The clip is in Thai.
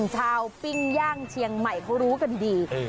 ปิ้งย่างเชียงใหม่เขารู้กันดี